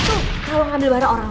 pokoknya nih sekarang